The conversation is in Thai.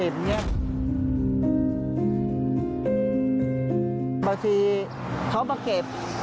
บางทีเขามาเก็บ